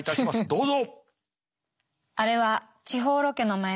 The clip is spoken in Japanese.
どうぞ！